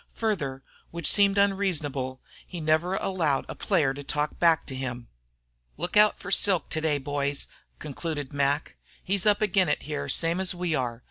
Further, which seemed unreasonable, he never allowed a player to talk back to him. "Lookout for Silk today, boys," concluded Mac. "He's up agin it here, same as we are.